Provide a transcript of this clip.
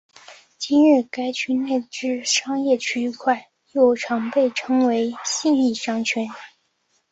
今日该区内之商业区块又常被称为信义商圈。